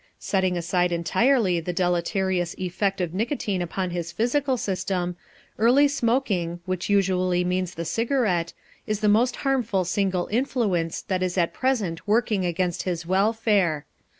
Setting aside entirely the deleterious effect of nicotine upon his physical system, early smoking, which usually means the cigarette, is the most harmful single influence that is at present working against his welfare.